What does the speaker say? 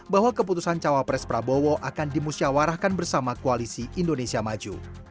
bahwa keputusan cawapres prabowo akan dimusyawarahkan bersama koalisi indonesia maju